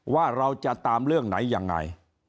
ว่าเราจะตามเรื่องไหนยังไง